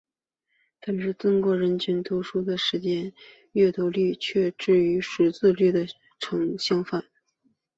但是中国的人均读书时间的阅读率却与识字率呈反比。